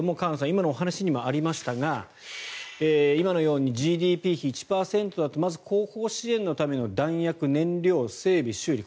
今のお話にもありましたが今のようにＧＤＰ比１％だと後方支援のための弾薬、燃料、整備、修理